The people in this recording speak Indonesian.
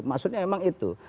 maksudnya memang itu